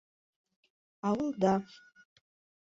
Ауылда.